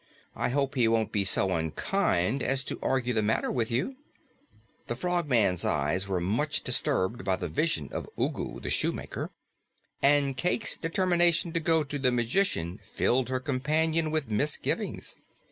I hope he won't be so unkind as to argue the matter with you." The Frogman was much disturbed by the vision of Ugu the Shoemaker, and Cayke's determination to go to the magician filled her companion with misgivings.